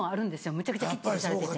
むちゃくちゃきっちりされてて。